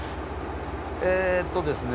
えっとですね